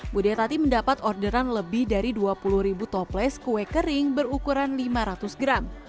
bude tati mendapat orderan lebih dari dua puluh toples kue kering berukuran lima ratus gram